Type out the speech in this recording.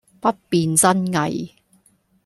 不辨真偽